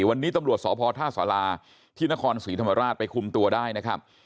วันนี้ตำรวจสพท่าสาราที่นครศรีธรรมราชไปคุมตัวได้นะครับ